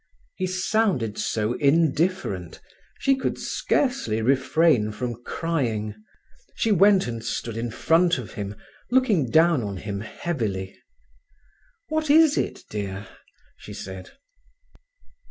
He sounded so indifferent, she could scarcely refrain from crying. She went and stood in front of him, looking down on him heavily. "What is it, dear?" she said.